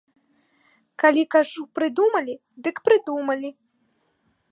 Калі кажу прыдумалі, дык прыдумалі!